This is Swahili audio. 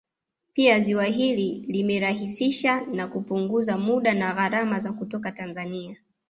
Pia ziwa hili limerahisishsa na kupunguza muda na gharama za kutoka Tanzania